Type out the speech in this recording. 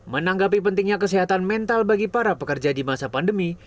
menanggapi pentingnya kesehatan mental bagi para pekerja di masa pandemi